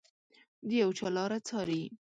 د یو چا لاره څاري